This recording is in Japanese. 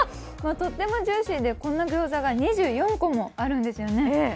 とってもジューシーでこんなギョーザが２４個もあるんですよね。